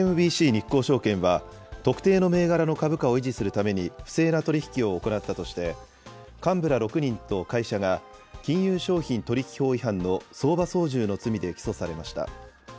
ＳＭＢＣ日興証券は、特定の銘柄の株価を維持するために不正な取り引きを行ったとして、幹部ら６人と会社が、金融商品取引法違反の相場操縦の罪で起訴されました。